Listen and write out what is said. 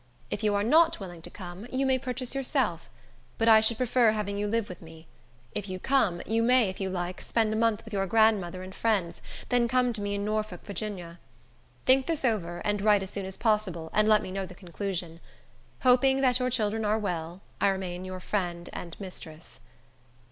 If you are not willing to come, you may purchase yourself; but I should prefer having you live with me. If you come, you may, if you like, spend a month with your grandmother and friends, then come to me in Norfolk, Virginia. Think this over, and write as soon as possible, and let me know the conclusion. Hoping that your children are well, I remain your friend and mistress.